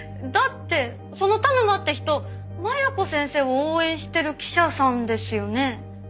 だってその田沼って人麻弥子先生を応援してる記者さんですよね？